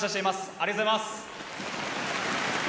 ありがとうございます。